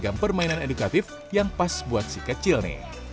gam permainan edukatif yang pas buat si kecil nih